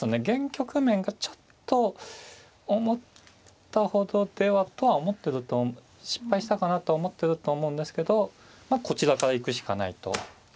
現局面がちょっと思ったほどではとは思ってると失敗したかなと思ってると思うんですけどまあこちらから行くしかないと。